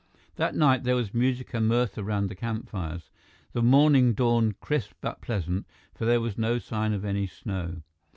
That night, there was music and mirth around the campfires. The morning dawned crisp but pleasant, for there was no sign of any snow.